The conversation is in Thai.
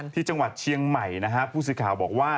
ที่จังหวัดเชียงใหม่นะฮะผู้สื่อข่าวบอกว่า